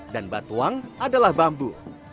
dan batuang adalah bambu